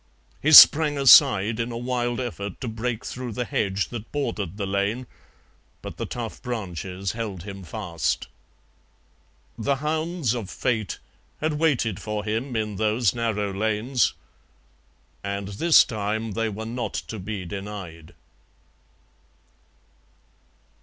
He sprang aside in a wild effort to break through the hedge that bordered the lane, but the tough branches held him fast. The hounds of Fate had waited for him in those narrow lanes, and this time they were not to be denied.